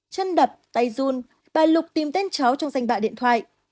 chân đập tay run bài lục tìm tên cháu trong danh bạ điện thoại